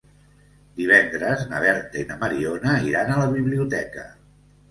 Divendres na Berta i na Mariona iran a la biblioteca.